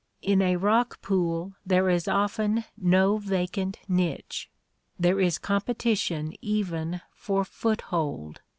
In a rock pool there is often no vacant niche. There is competition even for foothold.